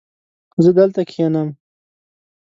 زه دلته کښېنم